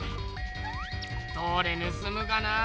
どれぬすむがなあ